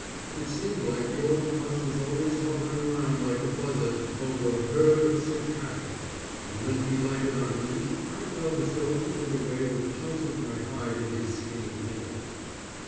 It seemed like the old cuss was always hovering around like a buzzard over a herd of sick cattle, and when he lighted on me I felt as though he went away with chunks of my hide in his skinny fingers.